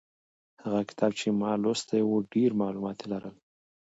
هغه کتاب چې ما لوستی و ډېر معلومات یې لرل.